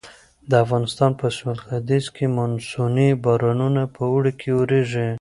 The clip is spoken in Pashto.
د افغانستان په سویل ختیځ کې مونسوني بارانونه په اوړي کې ورېږي.